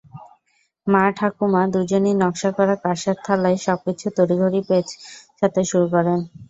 মা, ঠাকুমা দুজনই নকশা করা কাঁসার থালায় সবকিছু তড়িঘড়ি গোছাতে শুরু করেন।